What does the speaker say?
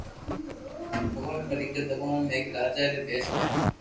ڀگوان پيرڪا زمانو ۾ ايڪ راجا ري ڀيس ۾